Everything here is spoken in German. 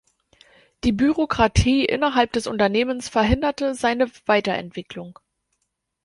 Die Bürokratie innerhalb des Unternehmens verhinderte seine Weiterentwicklung.